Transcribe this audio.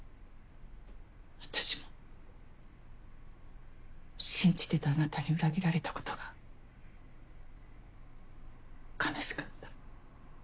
私も信じてたあなたに裏切られたことが悲しかった。